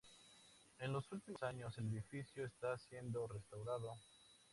En los últimos años el edificio está siendo restaurado.